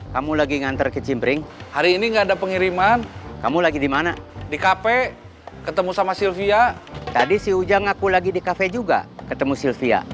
sampai jumpa di video selanjutnya